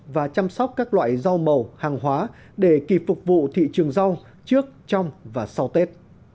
và chăm sóc các loại rau màu hàng hóa để kịp phục vụ thị trường rau trước trong và sau tết